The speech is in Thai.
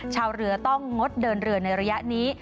ชาวเรือต้องงดเดินเรือในระยะนี้